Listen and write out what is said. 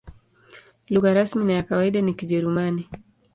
Lugha rasmi na ya kawaida ni Kijerumani.